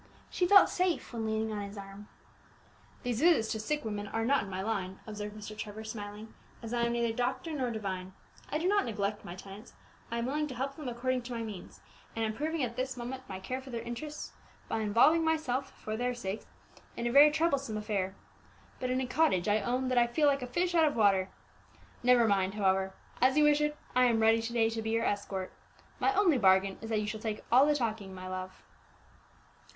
She felt safe when leaning on his arm. "These visits to sick women are not in my line," observed Mr. Trevor, smiling, "as I am neither doctor nor divine. I do not neglect my tenants; I am willing to help them according to my means; and am proving at this moment my care for their interests by involving myself, for their sakes, in a very troublesome affair. But in a cottage I own that I feel like a fish out of water. Never mind, however; as you wish it, I am ready to day to be your escort; my only bargain is that you shall take all the talking, my love."